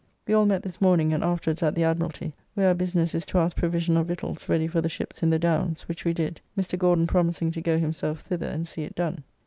We all met this morning and afterwards at the Admiralty, where our business is to ask provision of victuals ready for the ships in the Downs, which we did, Mr. Gauden promising to go himself thither and see it done.